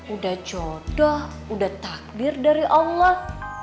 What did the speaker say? udah jodoh udah takdir dari allah